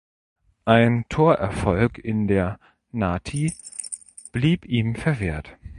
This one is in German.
Ein Torerfolg in der "Nati" blieb ihm verwehrt.